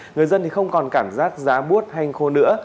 người dân thì không còn cảm giác giá buốt hay khô nữa